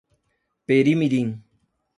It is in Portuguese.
Peri Mirim